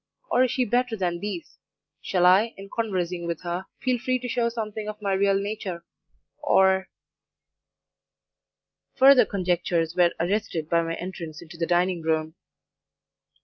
or is she better than these? Shall I, in conversing with her, feel free to show something of my real nature; or ' Further conjectures were arrested by my entrance into the dining room.